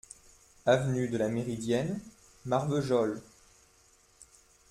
Avenue de la Méridienne, Marvejols